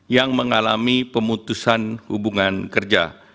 yang mengalami pemutusan hubungan kerja